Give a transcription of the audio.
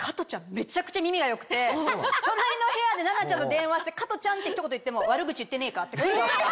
めちゃくちゃ耳が良くて隣の部屋でななちゃんと電話して「加トちゃん」って一言言っても。って来るんですよ